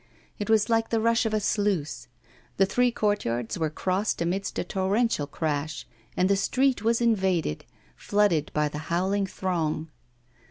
It was like the rush of a sluice; the three courtyards were crossed amidst a torrential crash, and the street was invaded, flooded by the howling throng.